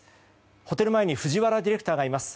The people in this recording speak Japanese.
ホテル前に藤原ディレクターがいます。